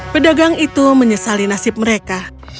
pedagang itu menyesali nasib mereka